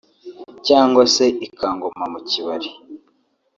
cyangwa se i-Kangoma mu Kibali